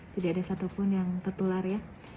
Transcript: tidak ada satupun yang tertular ya